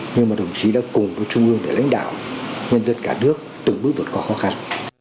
nhưng mà đồng chí đã cùng với trung ương để lãnh đạo nhân dân cả nước từng bước vượt qua khó khăn